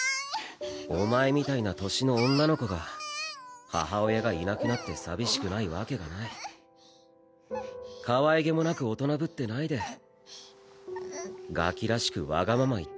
お前みたいな年の女の子が母親がいなくなって寂しくないわけがないかわいげもなく大人ぶってないでガキらしくわがまま言っ